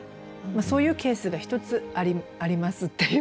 そういうケースが一つありますっていう。